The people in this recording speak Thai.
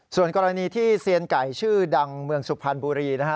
ส่วนกรณีที่เซียนไก่ชื่อดังเมืองสุพรรณบุรีนะฮะ